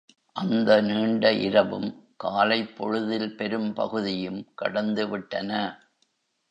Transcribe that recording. அந்த நீண்ட இரவும், காலைப் பொழுதில் பெரும் பகுதியும் கடந்து விட்டன.